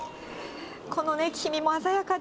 このね、黄身も鮮やかで。